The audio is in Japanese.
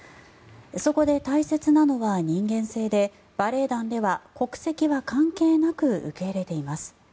そこで大切なのは人間性でバレエ団では国籍は関係なく受け入れています。